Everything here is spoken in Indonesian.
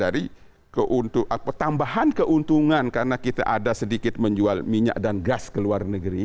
dari tambahan keuntungan karena kita ada sedikit menjual minyak dan gas ke luar negeri